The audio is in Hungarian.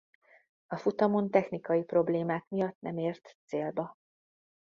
A futamon technikai problémák miatt nem ért célba.